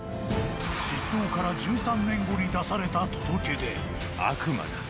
失踪から１３年後に出された届出。